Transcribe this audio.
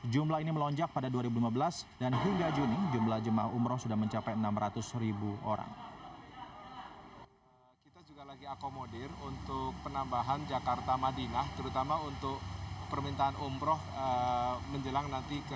jumlah ini melonjak pada dua ribu lima belas dan hingga juni jumlah jemaah umroh sudah mencapai enam ratus ribu orang